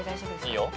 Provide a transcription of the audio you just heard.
いいよ。